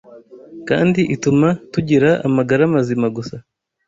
kandi ituma tugira amagara mazima gusa